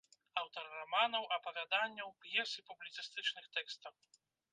Аўтар раманаў, апавяданняў, п'ес і публіцыстычных тэкстаў.